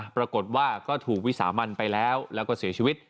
ปรากฏว่าก็ถูกวิสามันไปแล้วแล้วก็เสียชีวิต